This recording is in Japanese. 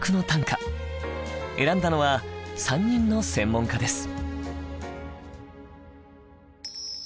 選んだのは３人の専門家です。